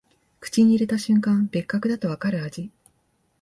口に入れた瞬間、別格だとわかる味